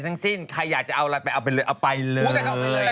กล่าวเดี๋ยวจะรอเข้าไปเนียน